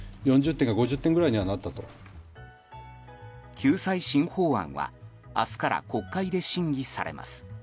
救済新法案は明日から国会で審議されます。